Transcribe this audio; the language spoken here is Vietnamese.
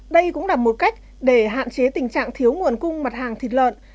đây cũng là một cách để hạn chế tình trạng thiếu nguồn cung mặt hàng thịt lợn